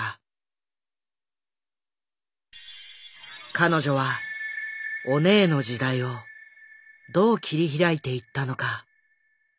彼女はオネエの時代をどう切り開いていったのか。